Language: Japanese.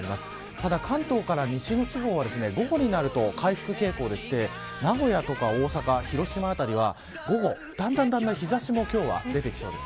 ただ、関東から西の地方は午後になると回復傾向でして名古屋とか大阪、広島辺りは午後、だんだん日差しも今日は出てきそうです。